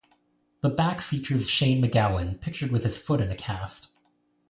The back features Shane MacGowan pictured with his foot in a cast.